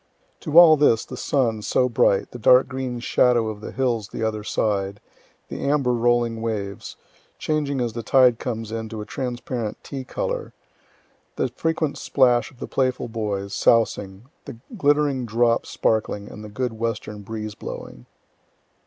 To all this, the sun, so bright, the dark green shadow of the hills the other side, the amber rolling waves, changing as the tide comes in to a trans parent tea color the frequent splash of the playful boys, sousing the glittering drops sparkling, and the good western breeze blowing.